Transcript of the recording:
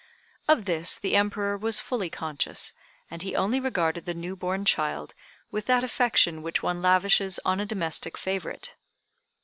Of this the Emperor was fully conscious, and he only regarded the new born child with that affection which one lavishes on a domestic favorite.